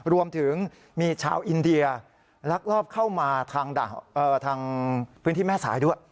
รวมถึงมีชาวอินเดียลักลอบเข้ามาทางพื้นที่แม่สายด้วย